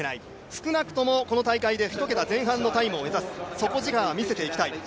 少なくともこの大会で１桁前半のタイムを目指す、底力を見せていきたい。